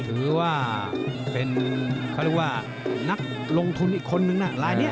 ถือว่าเป็นเขาเรียกว่านักลงทุนอีกคนนึงนะลายนี้